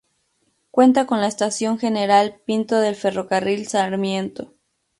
Cuenta con la Estación General Pinto del Ferrocarril Sarmiento.